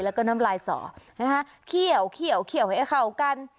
แล้วก็น้ำลายสอนะคะเขี่ยวเขี่ยวเขี่ยวให้เข้ากัน